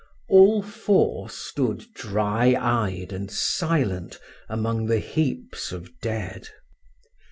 All four stood dry eyed and silent among the heaps of dead.